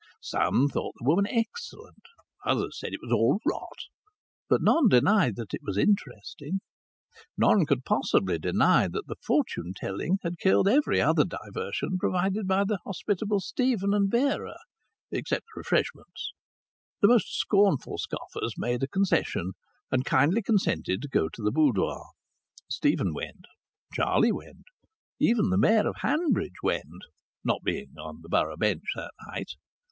Some thought the woman excellent, others said it was all rot. But none denied that it was interesting. None could possibly deny that the fortune telling had killed every other diversion provided by the hospitable Stephen and Vera (except the refreshments). The most scornful scoffers made a concession and kindly consented to go to the boudoir. Stephen went. Charlie went. Even the Mayor of Hanbridge went (not being on the borough Bench that night).